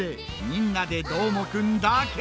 「みんなＤＥどーもくん！」だけ！